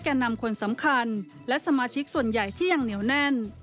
นำคนสำคัญและสมาชิกส่วนใหญ่ที่ยังเหนียวแน่น